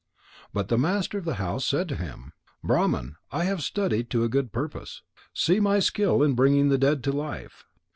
But the master of the house said to him: "Brahman, I have studied to good purpose. See my skill in bringing the dead to life."